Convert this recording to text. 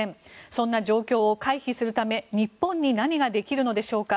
そんな状況を回避するため日本に何ができるのでしょうか。